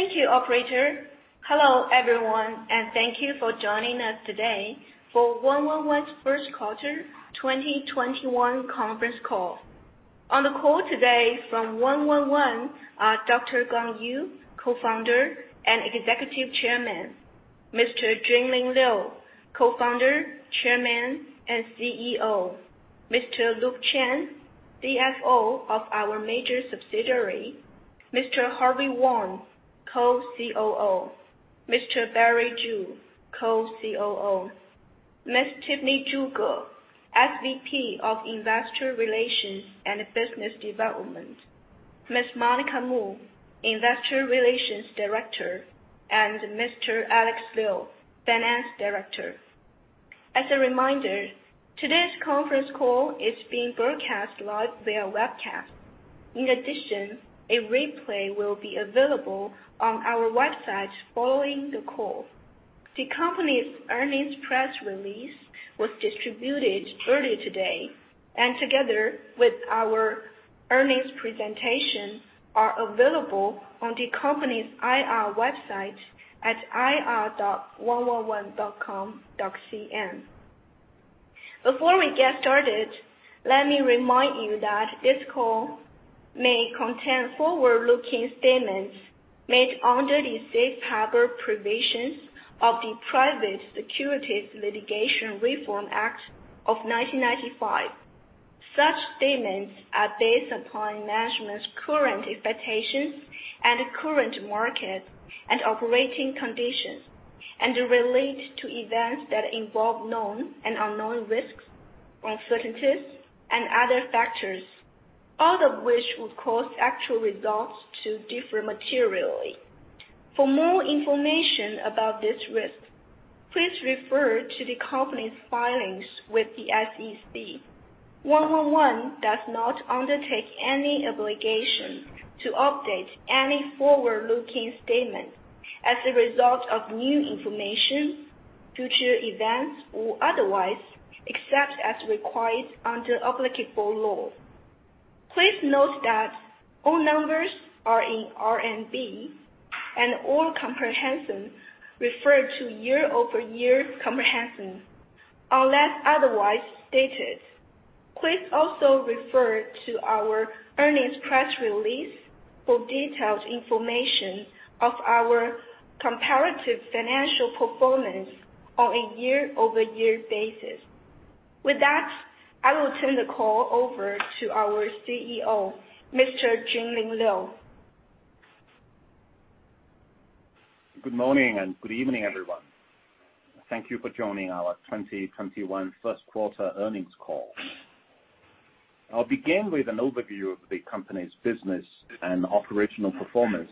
Thank you, operator. Hello, everyone, thank you for joining us today for 111's first quarter 2021 conference call. On the call today from 111 are Dr. Gang Yu, Co-founder and Executive Chairman; Mr. Junling Liu, Co-founder, Chairman, and CEO; Mr. Luke Chen, CFO of our major subsidiary; Mr. Haihui Wang, Co-COO; Mr. Barry Zhu, Co-COO; Ms. Tiffany Zhuge, SVP of Investor Relations and Business Development; Ms. Monica Mu, Investor Relations Director; Mr. Alex Liu, Finance Director. As a reminder, today's conference call is being broadcast live via webcast. A replay will be available on our website following the call. The company's earnings press release was distributed earlier today, together with our earnings presentation, are available on the company's IR website at ir.111.com.cn. Before we get started, let me remind you that this call may contain forward-looking statements made under the safe harbor provisions of the Private Securities Litigation Reform Act of 1995. Such statements are based upon management's current expectations and current market and operating conditions, and they relate to events that involve known and unknown risks, uncertainties, and other factors, all of which would cause actual results to differ materially. For more information about this risk, please refer to the company's filings with the SEC. 111 does not undertake any obligation to update any forward-looking statements as a result of new information, future events, or otherwise, except as required under applicable law. Please note that all numbers are in RMB and all comparisons refer to year-over-year comparisons, unless otherwise stated. Please also refer to our earnings press release for detailed information of our comparative financial performance on a year-over-year basis. With that, I will turn the call over to our CEO, Mr. Junling Liu. Good morning and good evening, everyone. Thank you for joining our 2021 first quarter earnings call. I'll begin with an overview of the company's business and operational performance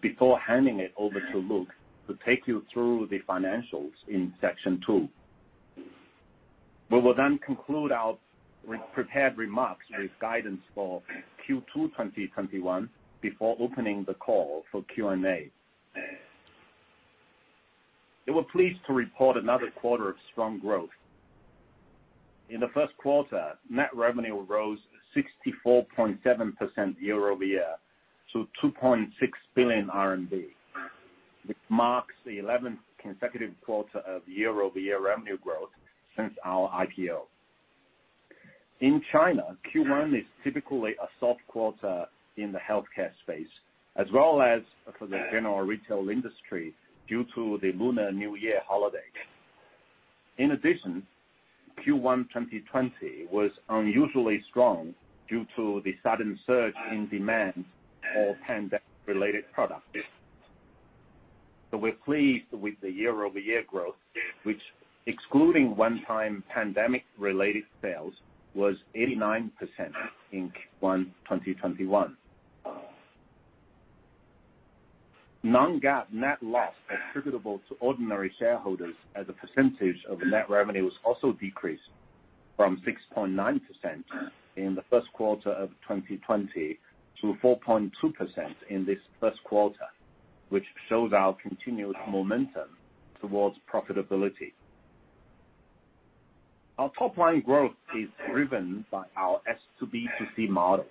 before handing it over to Luke to take you through the financials in section two. We will then conclude our prepared remarks with guidance for Q2 2021 before opening the call for Q&A. We were pleased to report another quarter of strong growth. In the first quarter, net revenue rose 64.7% year-over-year to 2.6 billion RMB. This marks the 11th consecutive quarter of year-over-year revenue growth since our IPO. In China, Q1 is typically a soft quarter in the healthcare space, as well as for the general retail industry due to the Lunar New Year holiday. In addition, Q1 2020 was unusually strong due to the sudden surge in demand for pandemic-related products. We're pleased with the year-over-year growth, which excluding one-time pandemic-related sales, was 89% in Q1 2021. Non-GAAP net loss attributable to ordinary shareholders as a percentage of net revenue was also decreased from 6.9% in the first quarter of 2020 to 4.2% in this first quarter, which shows our continued momentum towards profitability. Our top-line growth is driven by our S2B2C model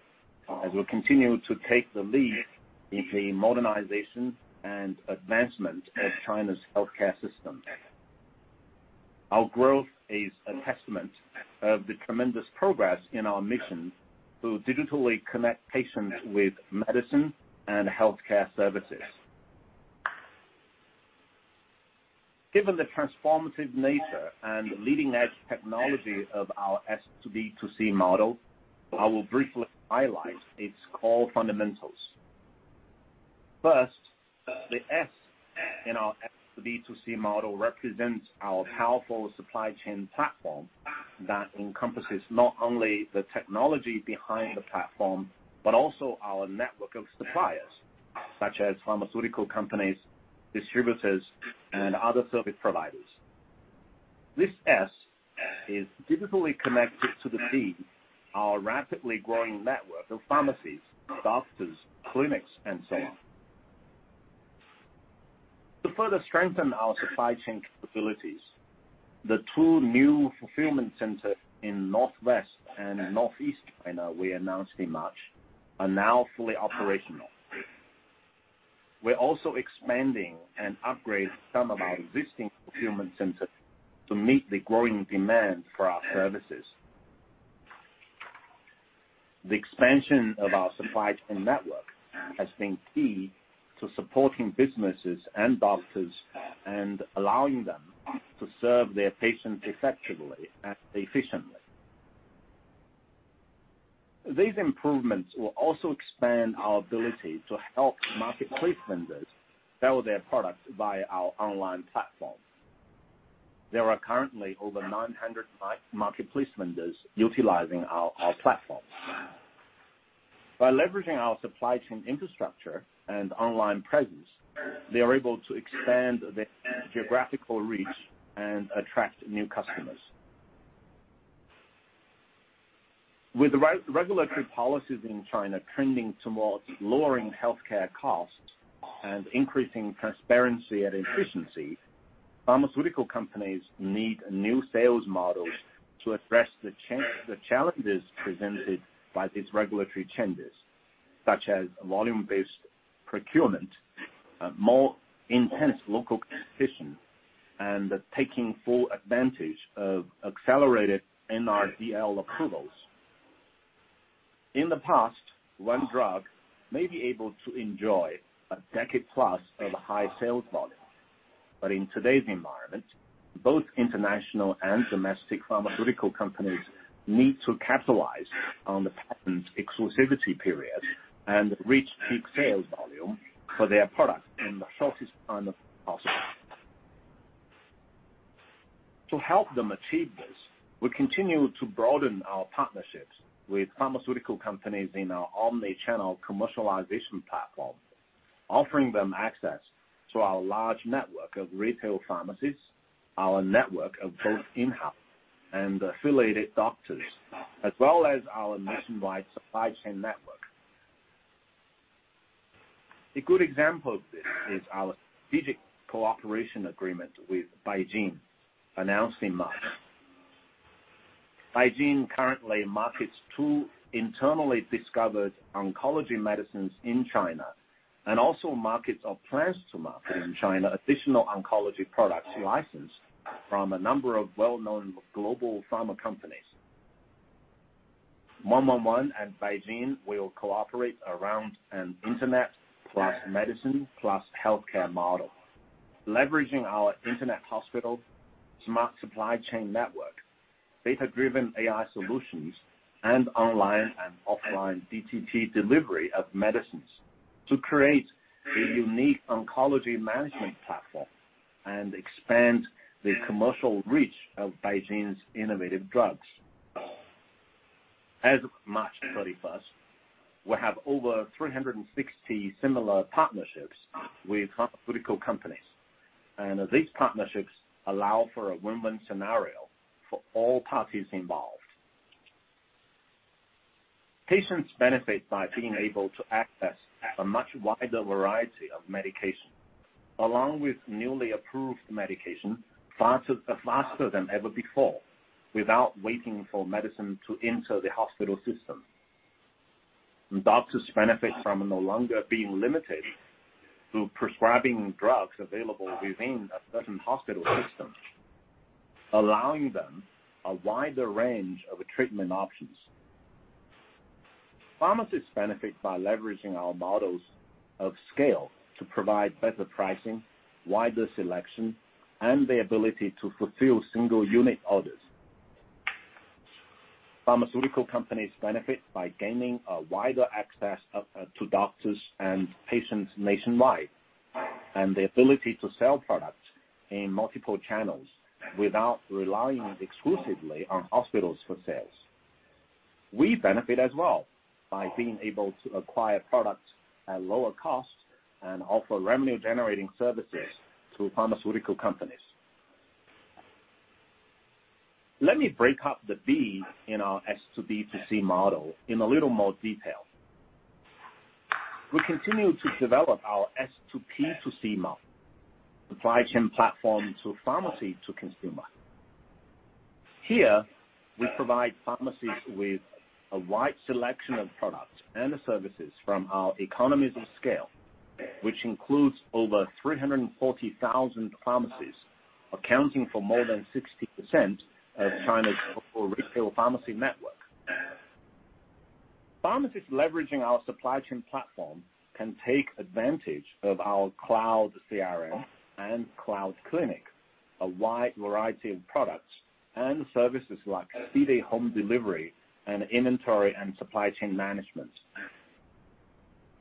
as we continue to take the lead in the modernization and advancement of China's healthcare system. Our growth is a testament of the tremendous progress in our mission to digitally connect patients with medicine and healthcare services. Given the transformative nature and leading-edge technology of our S2B2C model, I will briefly highlight its core fundamentals. First, the S in our S2B2C model represents our powerful supply chain platform that encompasses not only the technology behind the platform but also our network of suppliers, such as pharmaceutical companies, distributors, and other service providers. This S is digitally connected to the B, our rapidly growing network of pharmacies, doctors, clinics, and so on. To further strengthen our supply chain capabilities, the two new fulfillment centers in northwest and northeast China we announced in March, are now fully operational. We're also expanding and upgrading some of our existing fulfillment centers to meet the growing demand for our services. The expansion of our supply chain network has been key to supporting businesses and doctors and allowing them to serve their patients effectively and efficiently. These improvements will also expand our ability to help marketplace vendors sell their product via our online platform. There are currently over 900 marketplace vendors utilizing our platform. By leveraging our supply chain infrastructure and online presence, they are able to expand their geographical reach and attract new customers. With the regulatory policies in China trending towards lowering healthcare costs and increasing transparency and efficiency, pharmaceutical companies need new sales models to address the challenges presented by these regulatory changes, such as volume-based procurement, more intense local competition, and taking full advantage of accelerated NRDL approvals. In the past, one drug may be able to enjoy a decade plus of a high sales volume. In today's environment, both international and domestic pharmaceutical companies need to capitalize on the patent exclusivity period and reach peak sales volume for their product in the shortest time possible. To help them achieve this, we continue to broaden our partnerships with pharmaceutical companies in our omni-channel commercialization platform, offering them access to our large network of retail pharmacies, our network of both in-house and affiliated doctors, as well as our nationwide supply chain network. A good example of this is our strategic cooperation agreement with BeiGene announced in March. BeiGene currently markets two internally discovered oncology medicines in China and also markets or plans to market in China additional oncology products licensed from a number of well-known global pharma companies. 111 and BeiGene will cooperate around an internet plus medicine plus healthcare model, leveraging our internet hospital, smart supply chain network, data-driven AI solutions, and online and offline DTP delivery of medicines to create a unique oncology management platform and expand the commercial reach of BeiGene's innovative drugs. As of March 31st, we have over 360 similar partnerships with pharmaceutical companies, and these partnerships allow for a win-win scenario for all parties involved. Patients benefit by being able to access a much wider variety of medication, along with newly approved medication, faster than ever before, without waiting for medicine to enter the hospital system. Doctors benefit from no longer being limited to prescribing drugs available within a certain hospital system, allowing them a wider range of treatment options. Pharmacies benefit by leveraging our models of scale to provide better pricing, wider selection, and the ability to fulfill single unit orders. Pharmaceutical companies benefit by gaining a wider access to doctors and patients nationwide, and the ability to sell product in multiple channels without relying exclusively on hospitals for sales. We benefit as well by being able to acquire product at lower costs and offer revenue-generating services to pharmaceutical companies. Let me break up the B in our S2B2C model in a little more detail. We continue to develop our S2P2C model, supply chain platform to pharmacy to consumer. Here, we provide pharmacies with a wide selection of products and services from our economies of scale, which includes over 340,000 pharmacies, accounting for more than 60% of China's overall retail pharmacy network. Pharmacies leveraging our supply chain platform can take advantage of our cloud CRM and cloud clinic, a wide variety of products and services like same-day home delivery and inventory and supply chain management.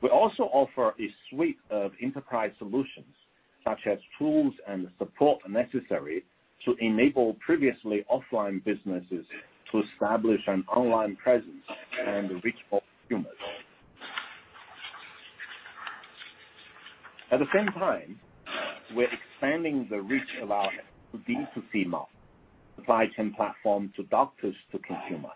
We also offer a suite of enterprise solutions, such as tools and support necessary to enable previously offline businesses to establish an online presence and reach more consumers. At the same time, we're expanding the reach of our B2C model, supply chain platform to doctors to consumer.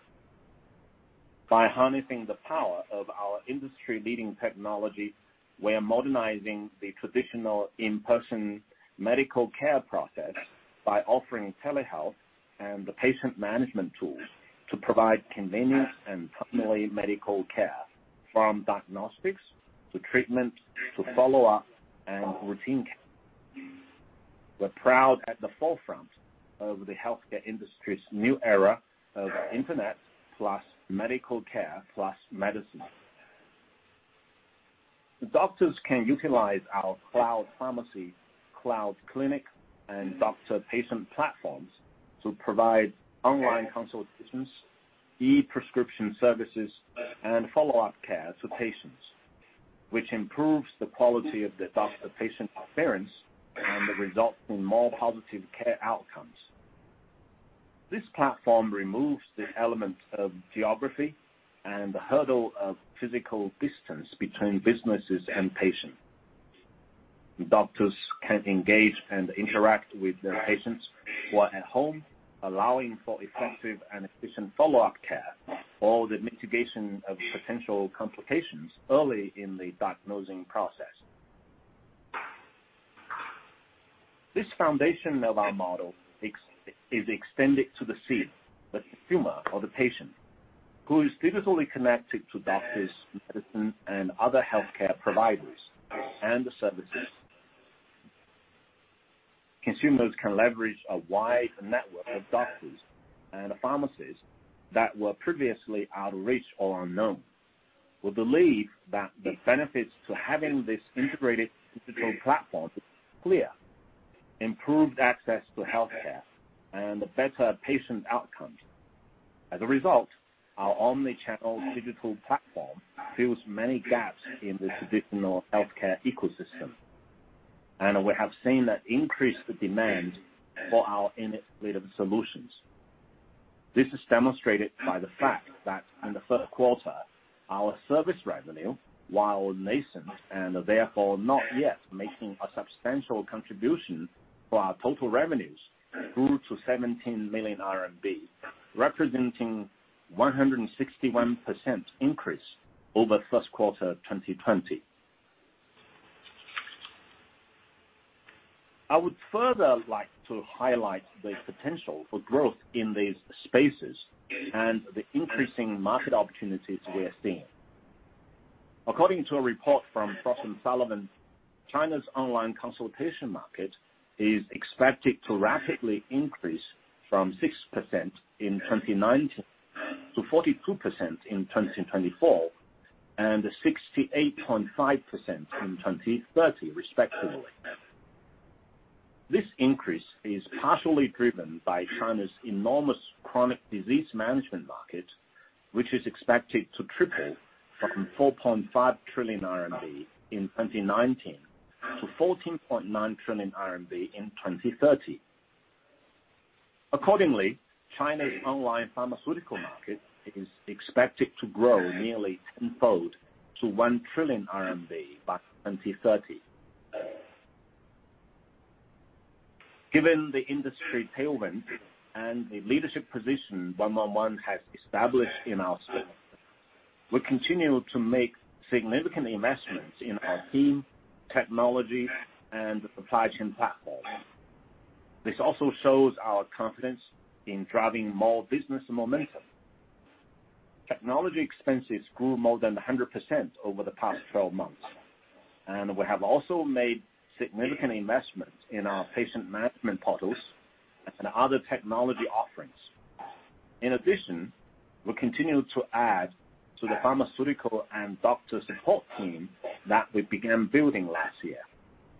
By harnessing the power of our industry-leading technology, we are modernizing the traditional in-person medical care process by offering telehealth and patient management tools to provide convenient and timely medical care from diagnostics to treatment to follow-up and routine care. We're proud at the forefront of the healthcare industry's new era of Internet plus medical care plus medicine. The doctors can utilize our cloud pharmacy, cloud clinic, and doctor-patient platforms to provide online consultations, e-prescription services, and follow-up care to patients, which improves the quality of the doctor-patient experience and will result in more positive care outcomes. This platform removes the element of geography and the hurdle of physical distance between businesses and patients. Doctors can engage and interact with their patients who are at home, allowing for effective and efficient follow-up care or the mitigation of potential complications early in the diagnosing process. This foundation of our model is extended to the C, the consumer or the patient, who is digitally connected to doctors, medicines, and other healthcare providers and the services. Consumers can leverage a wide network of doctors and pharmacists that were previously out of reach or unknown. We believe that the benefits to having this integrated digital platform are clear: improved access to healthcare and better patient outcomes. As a result, our omnichannel digital platform fills many gaps in the traditional healthcare ecosystem, and we have seen an increase in demand for our innovative solutions. This is demonstrated by the fact that in the first quarter, our service revenue, while nascent and therefore not yet making a substantial contribution to our total revenues, grew to 17 million RMB, representing 161% increase over first quarter 2020. I would further like to highlight the potential for growth in these spaces and the increasing market opportunities we are seeing. According to a report from Frost & Sullivan, China's online consultation market is expected to radically increase from 6% in 2019 to 42% in 2024 and 68.5% in 2030, respectively. This increase is partially driven by China's enormous chronic disease management market, which is expected to triple from 4.5 trillion RMB in 2019 to 14.9 trillion RMB in 2030. Accordingly, China's online pharmaceutical market is expected to grow nearly tenfold to 1 trillion RMB by 2030. Given the industry tailwind and the leadership position 111 has established in our space, we continue to make significant investments in our team, technology, and supply chain platforms. This also shows our confidence in driving more business momentum. Technology expenses grew more than 100% over the past 12 months, and we have also made significant investments in our patient management portals and other technology offerings. In addition, we continue to add to the pharmaceutical and doctor support team that we began building last year,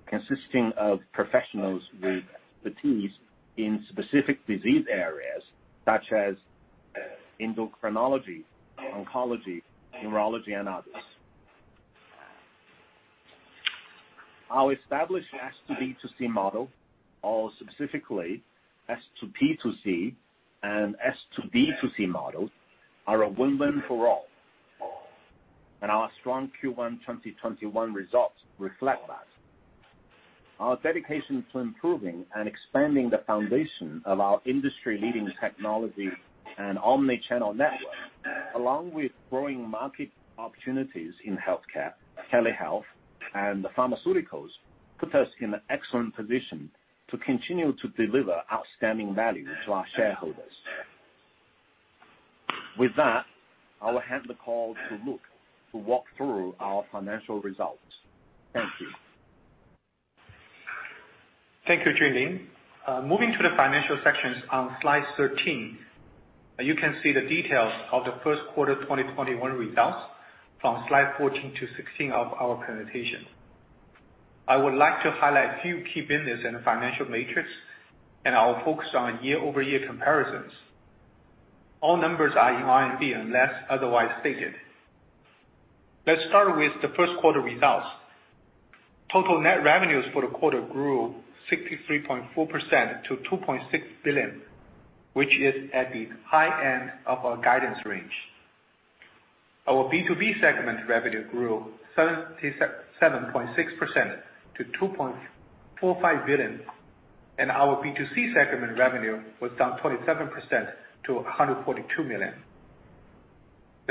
consisting of professionals with expertise in specific disease areas such as endocrinology, oncology, neurology, and others. Our established S2B2C model, or specifically S2P2C and S2B2C models, are a win-win for all, and our strong Q1 2021 results reflect that. Our dedication to improving and expanding the foundation of our industry-leading technology and omnichannel network, along with growing market opportunities in healthcare, telehealth, and pharmaceuticals, put us in an excellent position to continue to deliver outstanding value to our shareholders. With that, I'll hand the call to Luke to walk through our financial results. Thank you. Thank you, Junling. Moving to the financial section on slide 13, you can see the details of the first quarter 2021 results from slide 14 to 16 of our presentation. I would like to highlight a few key business and financial metrics. I will focus on year-over-year comparisons. All numbers are in RMB unless otherwise stated. Let's start with the first quarter results. Total net revenues for the quarter grew 63.4% to 2.6 billion, which is at the high end of our guidance range. Our B2B segment revenue grew 77.6% to 2.45 billion. Our B2C segment revenue was down 27% to 142 million.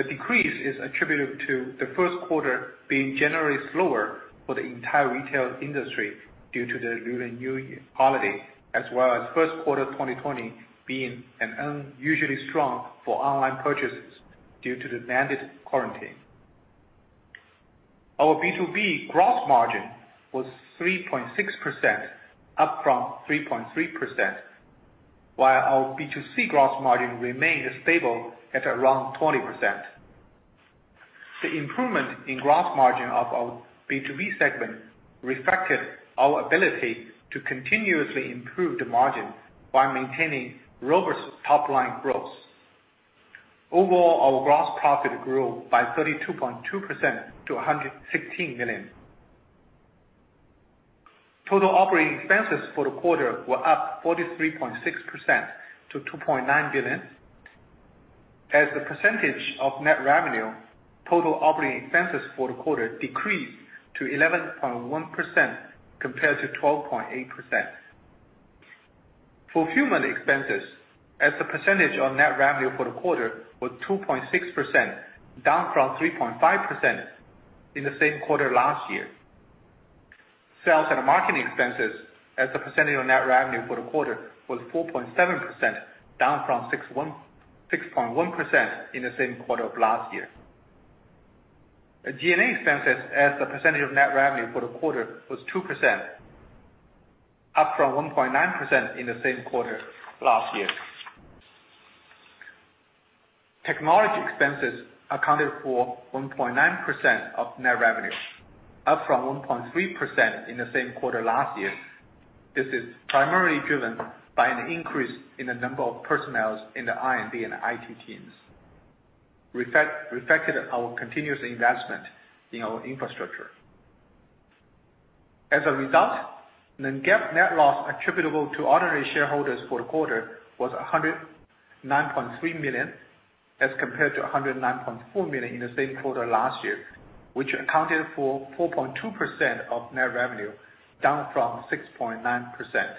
The decrease is attributed to the first quarter being generally slower for the entire retail industry due to the Lunar New Year holiday, as well as first quarter 2020 being unusually strong for online purchases due to the mandated quarantine. Our B2B gross margin was 3.6%, up from 3.3%, while our B2C gross margin remained stable at around 20%. The improvement in gross margin of our B2B segment reflected our ability to continuously improve the margin while maintaining robust top-line growth. Overall, our gross profit grew by 32.2% to 116 million. Total operating expenses for the quarter were up 43.6% to 2.9 million. As a percentage of net revenue, total operating expenses for the quarter decreased to 11.1% compared to 12.8%. Fulfillment expenses as a percentage of net revenue for the quarter were 2.6%, down from 3.5% in the same quarter last year. Sales and marketing expenses as a percentage of net revenue for the quarter was 4.7%, down from 6.1% in the same quarter of last year. The G&A expenses as a percentage of net revenue for the quarter was 2%, up from 1.9% in the same quarter last year. Technology expenses accounted for 1.9% of net revenue, up from 1.3% in the same quarter last year. This is primarily driven by an increase in the number of personnel in the R&D and IT teams, reflected our continuous investment in our infrastructure. As a result, the net GAAP net loss attributable to ordinary shareholders for the quarter was 109.3 million as compared to 109.4 million in the same quarter last year, which accounted for 4.2% of net revenue, down from 6.9%.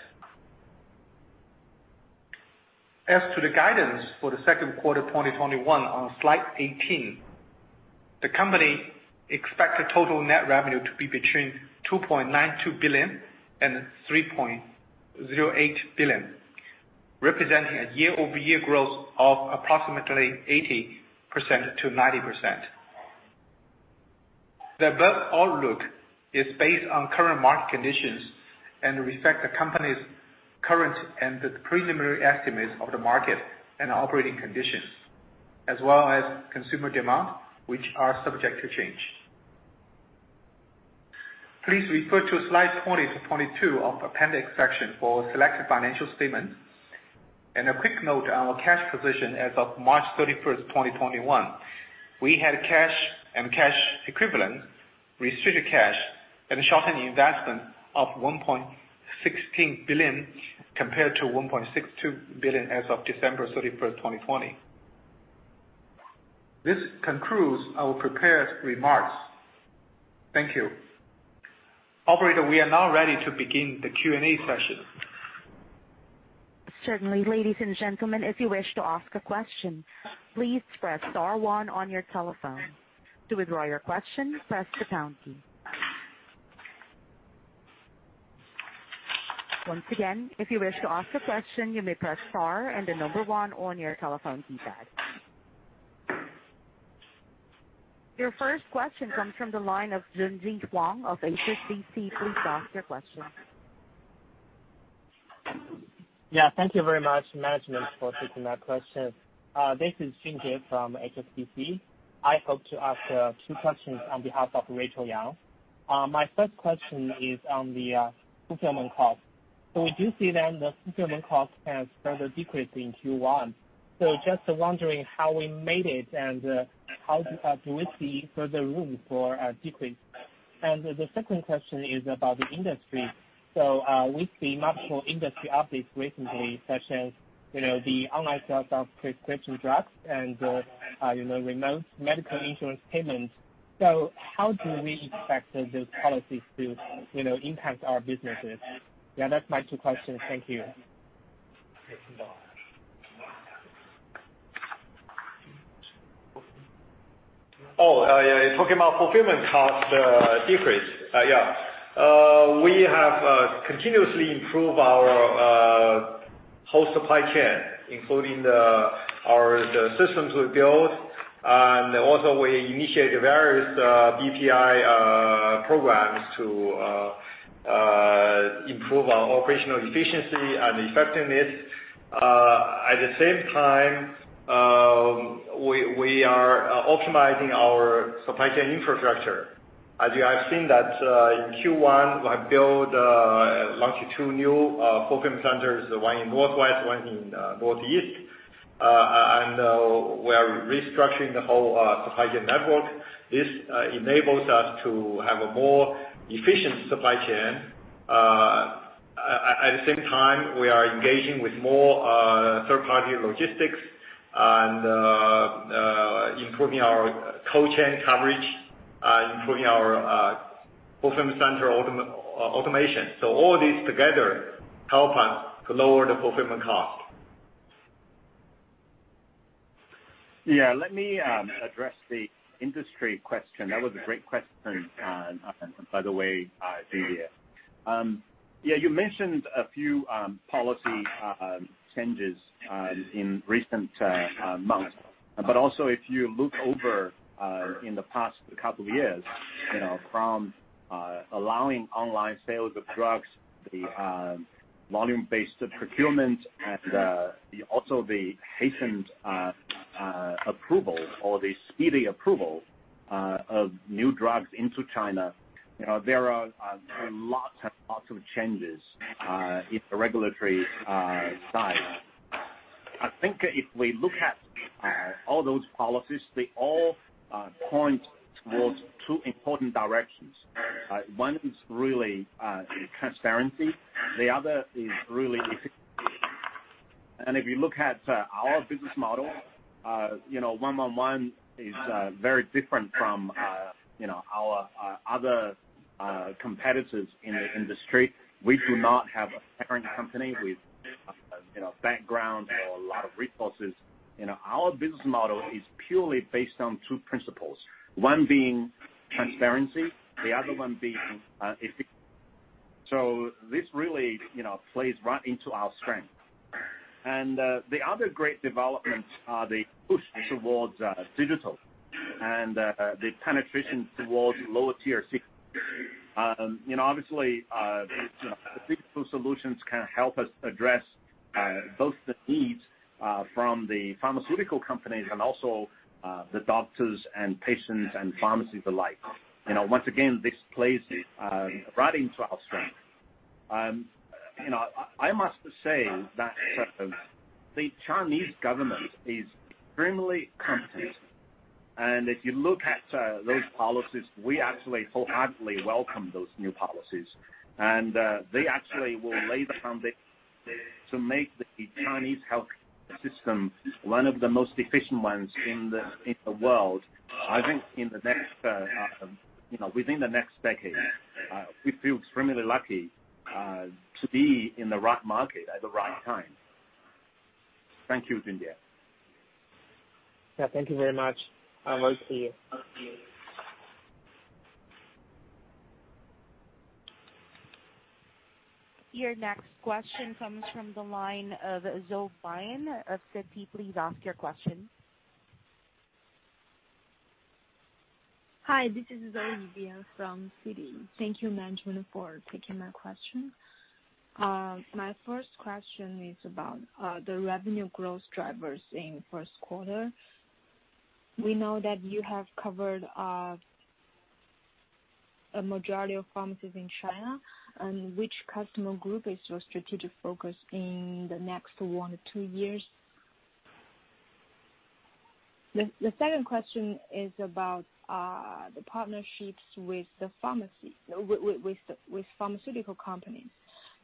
As to the guidance for the second quarter 2021 on slide 18, the company expects the total net revenue to be between 2.92 billion and 3.08 billion, representing a year-over-year growth of approximately 80%-90%. The above outlook is based on current market conditions and reflects the company's current and the preliminary estimates of the market and operating conditions as well as consumer demand, which are subject to change. Please refer to slides 20-22 of appendix section for selected financial statement. A quick note on our cash position as of March 31st, 2021. We had cash and cash equivalents, restricted cash, and short-term investments of 1.16 billion compared to 1.62 billion as of December 31st, 2020. This concludes our prepared remarks. Thank you. Operator, we are now ready to begin the Q&A session. Certainly. Ladies and gentlemen, if you wish to ask a question, please press star one on your telephone. To withdraw your question, press the pound key. Once again, if you wish to ask a question, you may press star and the number one on your telephone keypad. Your first question comes from the line of Xingjie Huang of HSBC. Please ask your question. Yeah, thank you very much, management, for taking my questions. This is Xingjie from HSBC. I hope to ask a few questions on behalf of Rachel Yang. My first question is on the fulfillment cost. We do see then the fulfillment cost can further decrease in Q1. Just wondering how we made it and how do we see further room for decrease. The second question is about the industry. We see multiple industry updates recently, such as the online sales of prescription drugs and the remote medical insurance payments. How do we expect those policies to impact our businesses? Yeah, that's my two questions. Thank you. Talking about fulfillment cost decrease. Yeah. We have continuously improved our whole supply chain, including the systems we built. Also we initiate various BPI programs to improve our operational efficiency and effectiveness. At the same time, we are optimizing our supply chain infrastructure. As you have seen that in Q1, we have launched two new fulfillment centers, one in northwest, one in northeast. We are restructuring the whole supply chain network. This enables us to have a more efficient supply chain. At the same time, we are engaging with more third-party logistics and Improving our cold chain coverage and improving our fulfillment center automation. All this together help us to lower the fulfillment cost. Yeah, let me address the industry question. That was a great question, by the way, Xingjie. Yeah, you mentioned a few policy changes in recent months, but also if you look over in the past couple years, from allowing online sales of drugs, the volume-based procurement, and also the hastened approval or the speedy approval of new drugs into China, there are lots and lots of changes in the regulatory side. I think if we look at all those policies, they all point towards two important directions. One is really transparency, the other is really efficiency. If you look at our business model, 111 is very different from our other competitors in the industry. We do not have a parent company with background or a lot of resources. Our business model is purely based on two principles, one being transparency, the other one being efficiency. This really plays right into our strength. The other great development are the push towards digital and the penetration towards lower Tier cities. Obviously, digital solutions can help us address both the needs from the pharmaceutical companies and also the doctors and patients and pharmacies alike. Once again, this plays right into our strength. I must say that the Chinese government is extremely competent. If you look at those policies, we actually wholeheartedly welcome those new policies. They actually will lay the foundation to make the Chinese healthcare system one of the most efficient ones in the world, I think within the next decade. We feel extremely lucky to be in the right market at the right time. Thank you, Xingjie. Yeah, thank you very much. I will see you. Your next question comes from the line of Zoe Bian of Citi. Please ask your question. Hi, this is Zoe Bian from Citi. Thank you for taking my question. My first question is about the revenue growth drivers in first quarter. We know that you have covered a majority of pharmacies in China. Which customer group is your strategic focus in the next one or two years? The second question is about the partnerships with pharmaceutical companies.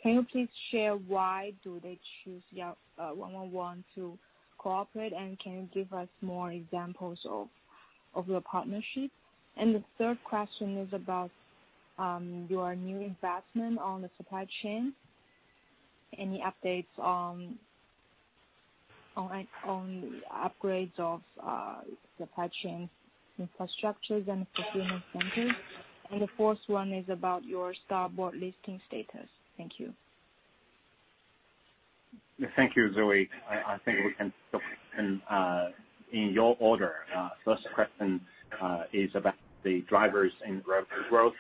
Can you please share why do they choose 111 to cooperate, and can you give us more examples of your partnerships? The third question is about your new investment on the supply chain. Any updates on upgrades of supply chain infrastructures and fulfillment centers? The fourth one is about your STAR Market listing status. Thank you. Thank you, Zoe. I think we can take them in your order. First question is about the drivers in revenue growth.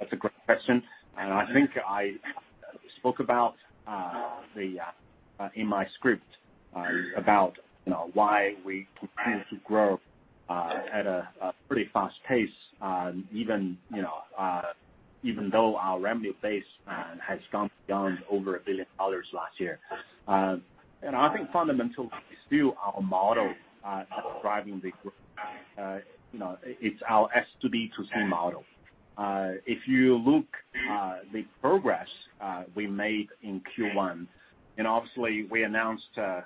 That's a great question. I think I spoke about in my script about why we continue to grow at a pretty fast pace, even though our revenue base has gone beyond over CNY 1 billion last year. I think fundamentally, still our model is driving the growth. It's our S2B2C model. If you look the progress we made in Q1, obviously we announced the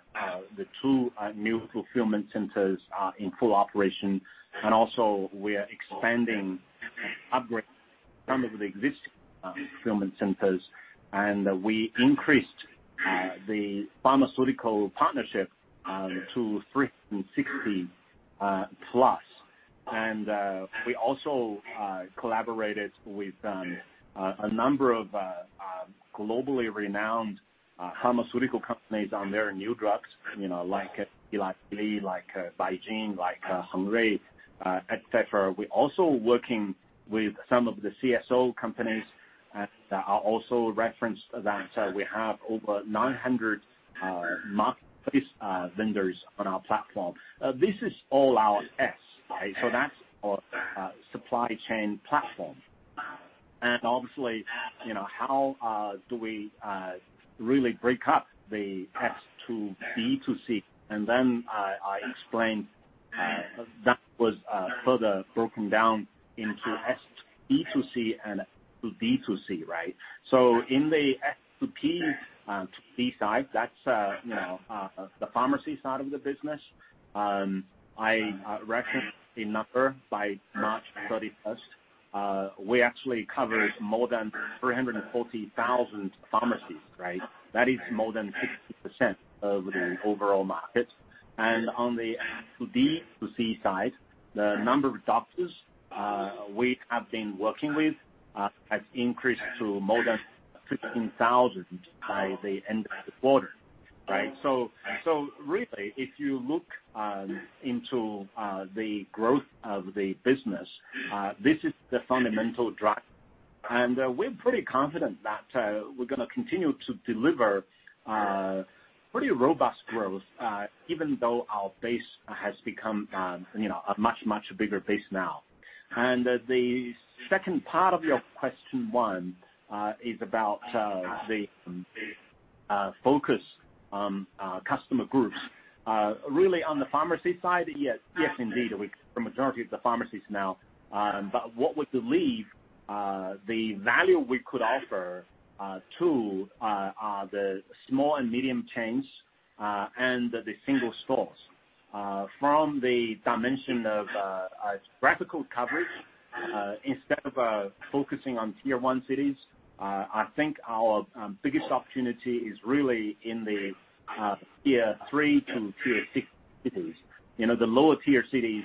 two new fulfillment centers are in full operation. Also we are expanding, upgrading some of the existing fulfillment centers. We increased the pharmaceutical partnerships to 360+. We also collaborated with a number of globally renowned pharmaceutical companies on their new drugs, like Eli Lilly, like BeiGene, like Sanofi, et cetera. We're also working with some of the CSO companies that I also referenced that we have over 900 marketplace vendors on our platform. This is all our S, that's our supply chain platform. Obviously, how do we really break up the S2B2C? Then I explained that was further broken down into S2-B2C and B2C, right? In the S2B side, that's the pharmacy side of the business. I referenced a number by March 31st. We actually covered more than 340,000 pharmacies, right? That is more than 60% of the overall market. On the S2B2C side, the number of doctors we have been working with has increased to more than 15,000 by the end of the quarter. Really, if you look into the growth of the business, this is the fundamental driver. We're pretty confident that we're going to continue to deliver pretty robust growth, even though our base has become a much bigger base now. The second part of your question one is about the focus on customer groups. Really on the pharmacy side, yes, indeed, we cover the majority of the pharmacies now. What we believe the value we could offer to the small and medium chains and the single stores. From the dimension of geographical coverage, instead of focusing on Tier 1 cities, I think our biggest opportunity is really in the Tier 3 to Tier 6 cities. The lower Tier cities,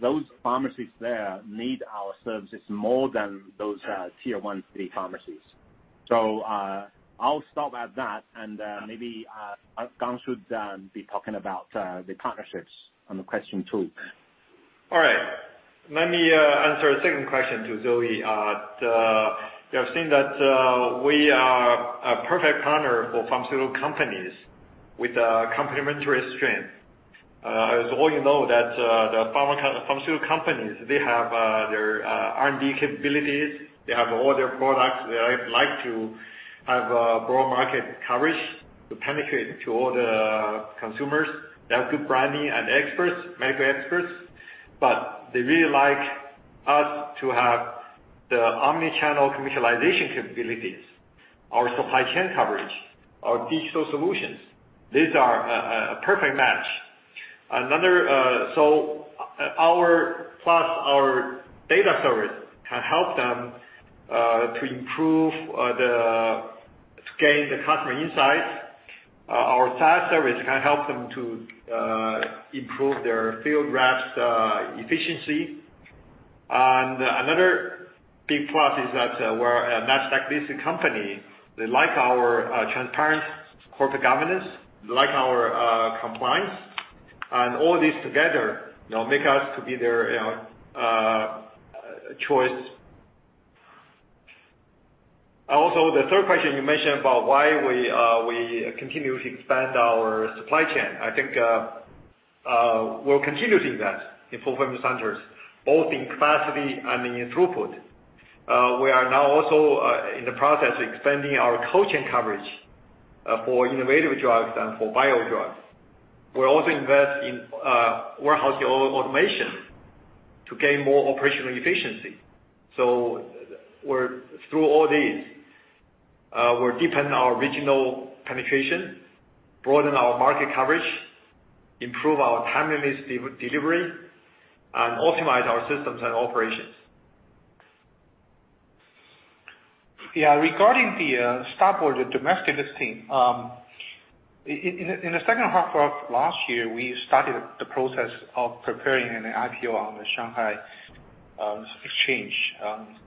those pharmacies there need our services more than those Tier 1 city pharmacies. I'll stop at that and maybe Gang should be talking about the partnerships on question two. All right. Let me answer the second question to Zoe. You have seen that we are a perfect partner for pharmaceutical companies with complementary strength. As all you know that the pharmaceutical companies, they have their R&D capabilities, they have all their products. They like to have broad market coverage to penetrate to all the consumers. They have good branding and experts, medical experts. They really like us to have the omni-channel commercialization capabilities, our supply chain coverage, our digital solutions. These are a perfect match. Plus our data service can help them to gain the customer insight. Our SaaS service can help them to improve their field reps efficiency. Another big plus is that we're a Nasdaq-listed company. They like our transparent corporate governance, they like our compliance. All these together, make us to be their choice. The third question you mentioned about why we continue to expand our supply chain. I think we're continuing that in fulfillment centers, both in capacity and in throughput. We are now also in the process of expanding our cold chain coverage for innovative drugs and for bio drugs. We also invest in warehouse automation to gain more operational efficiency. Through all these, we're deepening our regional penetration, broaden our market coverage, improve our timeliness of delivery, and optimize our systems and operations. Regarding the STAR Market domestic listing. In the second half of last year, we started the process of preparing an IPO on the Shanghai Stock Exchange,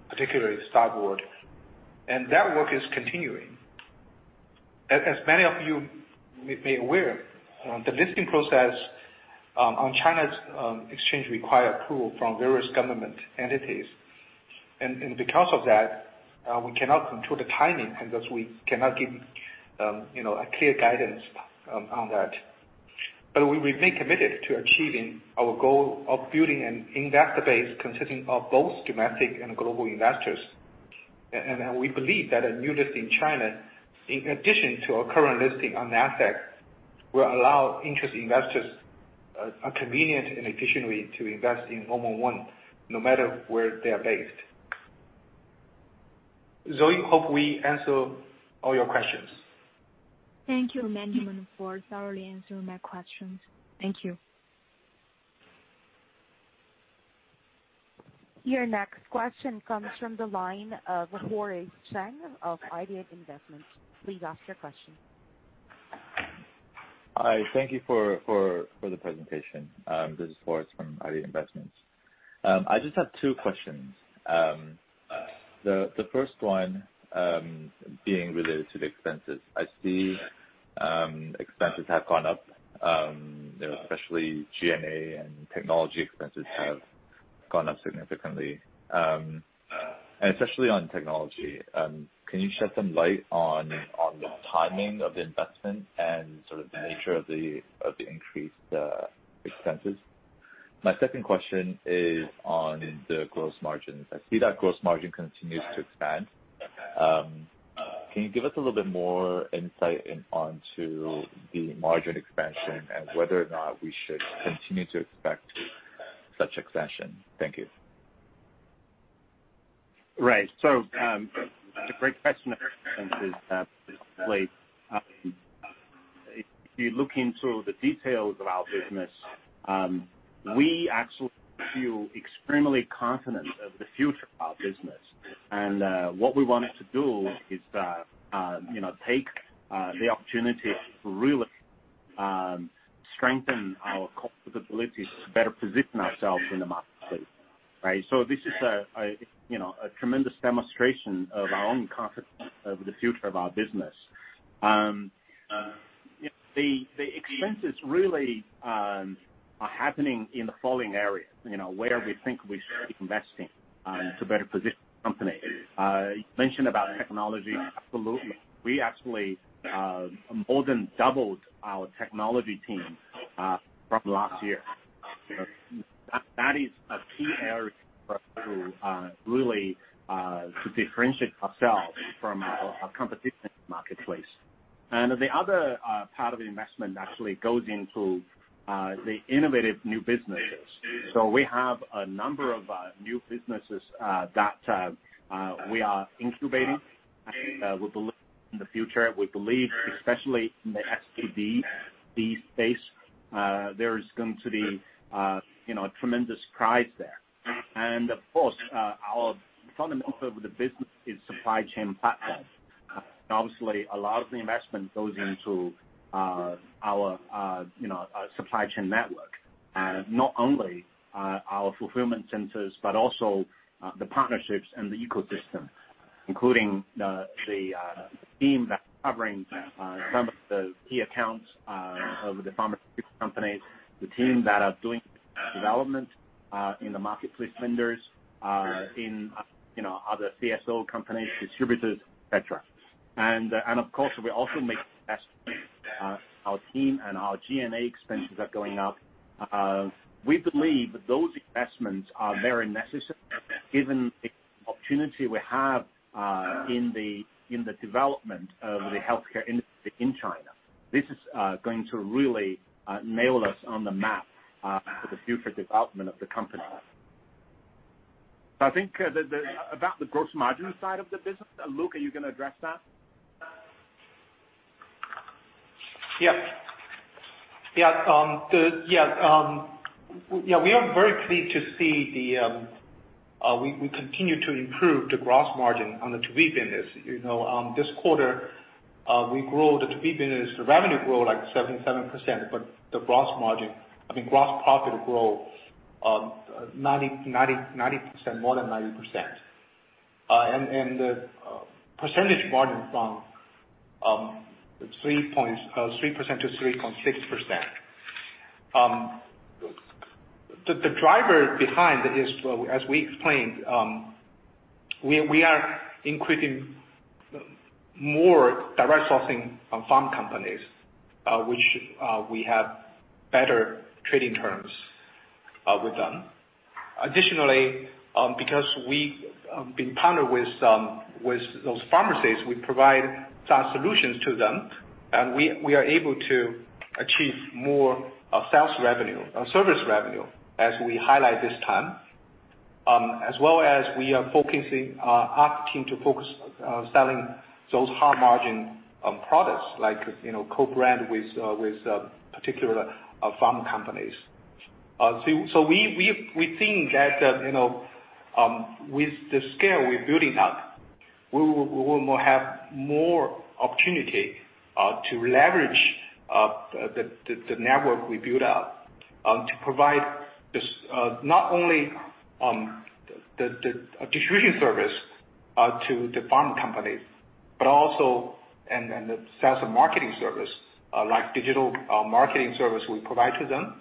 particularly STAR Market. That work is continuing. As many of you may be aware, the listing process on China's exchange require approval from various government entities. Because of that, we cannot control the timing, and thus we cannot give clear guidance on that. We remain committed to achieving our goal of building an investor base consisting of both domestic and global investors. We believe that a new listing in China, in addition to our current listing on Nasdaq, will allow interested investors a convenience and efficiently to invest in 111, no matter where they're based. Zoe, hope we answer all your questions. Thank you, Junling and Gang, for thoroughly answering my questions. Thank you. Your next question comes from the line of Forest Cheng of IDG Capital. Please ask your question. Hi, thank you for the presentation. This is Forest from IDG Capital. I just have two questions. The first one being related to the expenses. I see expenses have gone up, especially G&A and technology expenses have gone up significantly. Especially on technology, can you shed some light on the timing of the investment and sort of the nature of the increased expenses? My second question is on the gross margins. I see that gross margin continues to expand. Can you give us a little bit more insight onto the margin expansion and whether or not we should continue to expect such expansion? Thank you. Right. It's a great question. If you look into the details of our business, we actually feel extremely confident of the future of our business. What we wanted to do is take the opportunity to really strengthen our capabilities to better position ourselves in the marketplace. This is a tremendous demonstration of our own confidence over the future of our business. The expenses really are happening in the following areas, where we think we should be investing to better position the company. You mentioned about technology. Absolutely. We actually more than doubled our technology team from last year. That is a key area for us to really differentiate ourselves from our competition in the marketplace. The other part of the investment actually goes into the innovative new businesses. We have a number of new businesses that we are incubating, and we believe in the future. We believe especially in the S2D space, there is going to be tremendous prize there. Of course, our fundamental of the business is supply chain platform. Obviously, a lot of the investment goes into our supply chain network. Not only our fulfillment centers, but also the partnerships and the ecosystem, including the team that are covering some of the key accounts of the pharmaceutical companies, the team that are doing development in the marketplace vendors, in other CSO companies, distributors, et cetera. Of course, we also make investments. Our team and our G&A expenses are going up. We believe those investments are very necessary given the opportunity we have in the development of the healthcare industry in China. This is going to really nail us on the map for the future development of the company. I think about the gross margin side of the business, Luke, are you going to address that? Yes. We are very pleased to see we continue to improve the gross margin on the B2B business. This quarter, the B2B business revenue grew like 77%, but the gross profit growth more than 90%. The percentage margin from 3% to 3.6%. The driver behind it is, as we explained, we are increasing more direct sourcing from pharma companies, which we have better trading terms with them. Additionally, because we've been partnered with those pharmacies, we provide SaaS solutions to them, and we are able to achieve more sales revenue and service revenue as we highlight this time. As well as we are asking our team to focus on selling those high-margin products like co-brand with particular pharma companies. We think that with the scale we're building up, we will have more opportunity to leverage the network we built up to provide not only the distribution service to the pharma companies, but also the sales and marketing service, like digital marketing service we provide to them,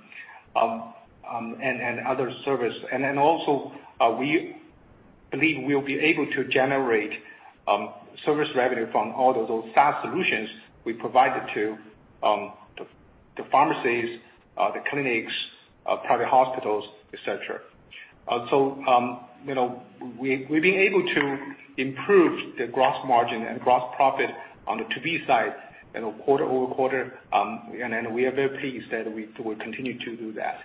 and other service. Also, we believe we'll be able to generate service revenue from all of those SaaS solutions we provided to the pharmacies, the clinics, private hospitals, et cetera. We've been able to improve the gross margin and gross profit on the 2B side quarter-over-quarter, and we are very pleased that we will continue to do that.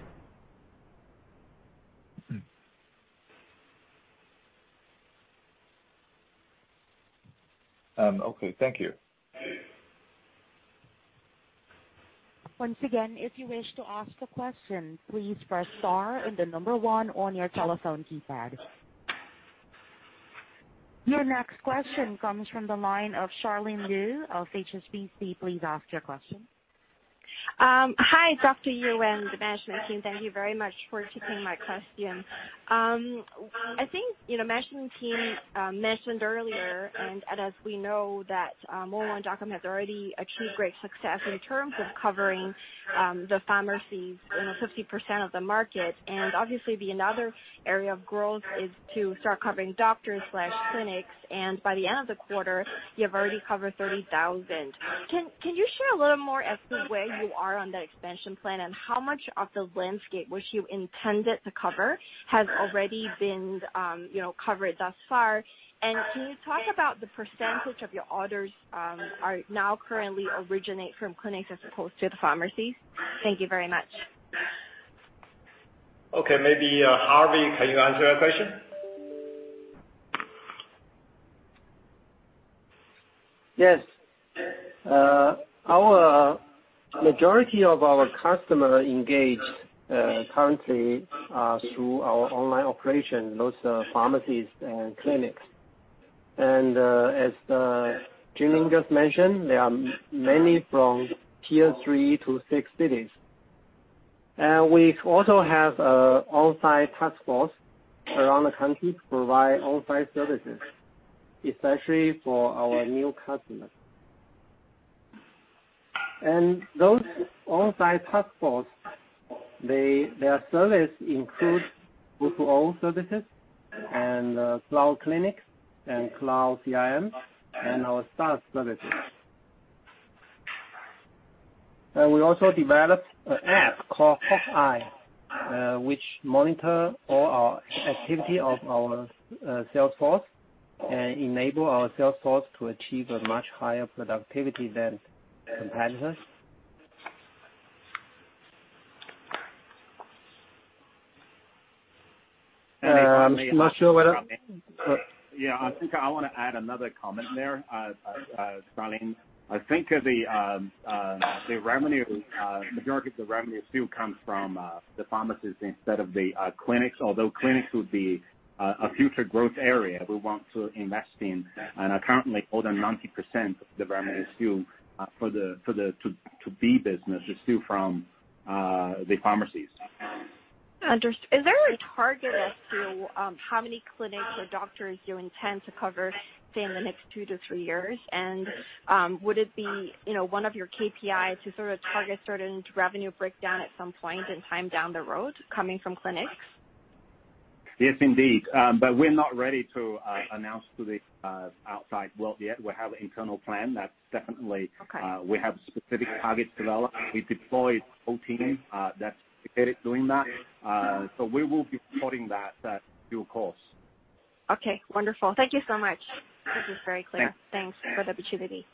Okay. Thank you. Once again, if you wish to ask a question, please press star and the number one on your telephone keypad. Your next question comes from the line of Charlene Liu of HSBC. Please ask your question. Hi, Dr. Yu and the management team. Thank you very much for taking my question. I think the management team mentioned earlier, and as we know, that has already achieved great success in terms of covering the pharmacies, 60% of the market. Obviously the another area of growth is to start covering doctors/clinics. By the end of the quarter, you have already covered 30,000. Can you share a little more as to where you are on the expansion plan and how much of the landscape which you intended to cover has already been covered thus far? Can you talk about the percentage of your orders are now currently originate from clinics as opposed to the pharmacies? Thank you very much. Okay. Maybe Haihui, can you answer that question? Yes. Majority of our customers engage currently through our online operation, those pharmacies and clinics. As Junling Liu just mentioned, they are mainly from Tier 3 to 6 cities. We also have an on-site task force around the country to provide on-site services, especially for our new customers. Those on-site task force, their service includes O2O services and cloud clinics and cloud CRM and our SaaS services. We also developed an app called Hawkeye, which monitor all our activity of our salesforce and enable our salesforce to achieve a much higher productivity than competitors. I'm not sure. Yeah, I think I want to add another comment there, Charlene. I think the majority of the revenue still comes from the pharmacies instead of the clinics, although clinics will be a future growth area we want to invest in. Currently, more than 90% of the revenue to B business is still from the pharmacies. Is there a target as to how many clinics or doctors you intend to cover say in the next two to three years? Would it be one of your KPIs to sort of target a certain revenue breakdown at some point in time down the road coming from clinics? Yes, indeed. We're not ready to announce to the outside world yet. We have an internal plan. Okay. We have specific targets as well. We deployed whole team that's doing that. We will be plotting that due course. Okay, wonderful. Thank you so much. That was very clear. Thanks for the opportunity.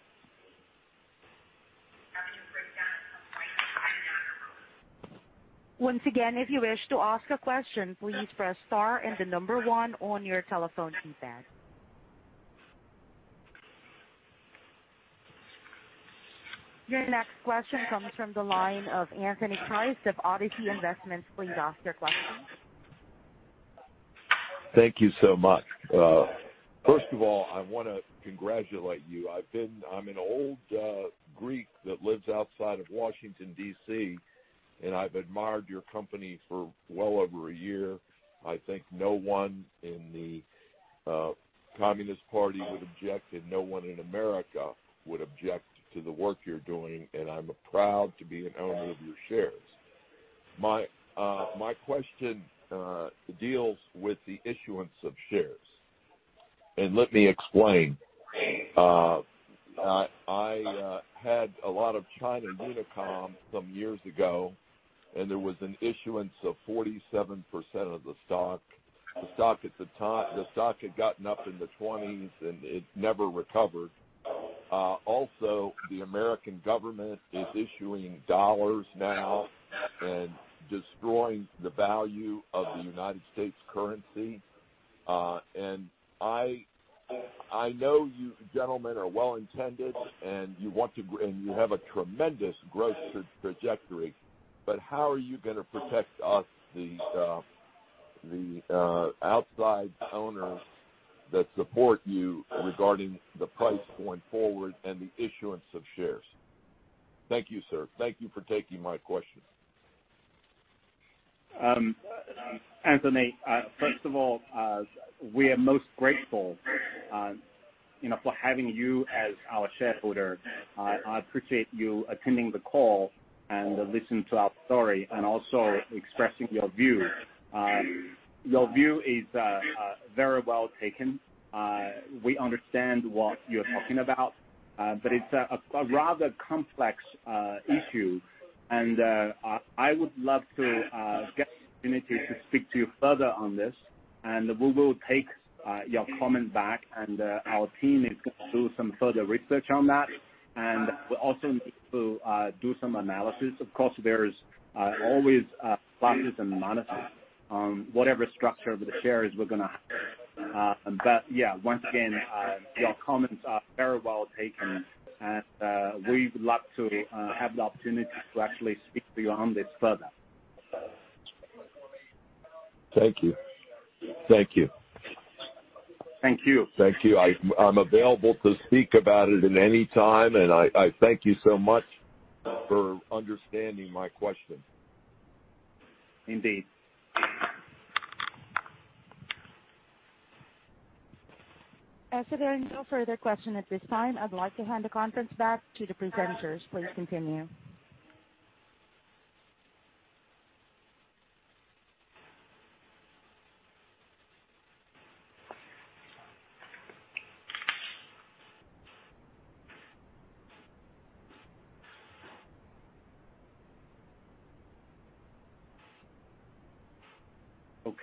Once again, if you wish to ask a question, please press star and the number one on your telephone keypad. Your next question comes from the line of Anthony Price of Oddity Investments. Please ask your question. Thank you so much. First of all, I want to congratulate you. I'm an old Greek that lives outside of Washington, D.C., and I've admired your company for well over a year. I think no one in the Communist Party would object and no one in America would object to the work you're doing, and I'm proud to be an owner of your shares. My question deals with the issuance of shares. Let me explain. I had a lot of China Unicom some years ago, and there was an issuance of 47% of the stock. The stock had gotten up in the 2020s, and it never recovered. Also, the American government is issuing dollars now and destroying the value of the United States currency. I know you gentlemen are well-intended, and you have a tremendous growth trajectory, but how are you going to protect us, the outside owners that support you regarding the price going forward and the issuance of shares? Thank you, sir. Thank you for taking my question. Anthony, first of all, we are most grateful for having you as our shareholder. I appreciate you attending the call and listening to our story and also expressing your views. Your view is very well taken. We understand what you're talking about. It's a rather complex issue. I would love to get the opportunity to speak to you further on this, and we will take your comment back and our team will do some further research on that and also do some analysis. Of course, there is always pluses and minuses on whatever structure of the shares we're going to have. Yeah, once again, your comments are very well taken, and we would love to have the opportunity to actually speak to you on this further. Thank you. Thank you. Thank you. I'm available to speak about it at any time, and I thank you so much for understanding my question. Indeed. As there are no further questions at this time, I'd like to hand the conference back to the presenters. Please continue.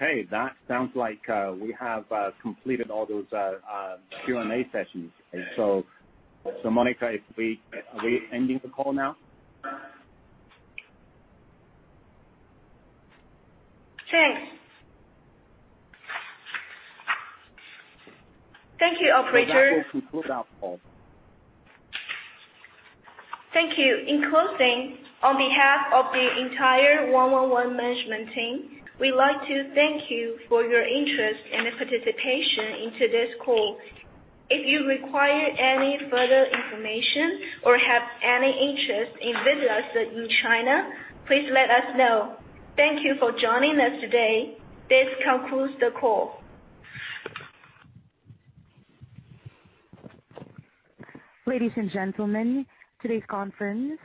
Okay. That sounds like we have completed all those Q&A sessions. Monica, are we ending the call now? Sure. Thank you all. That's how to put out call. Thank you. In closing, on behalf of the entire 111 management team, we'd like to thank you for your interest and participation in today's call. If you require any further information or have any interest in visiting us in China, please let us know. Thank you for joining us today. This concludes the call. Ladies and gentlemen, today's conference.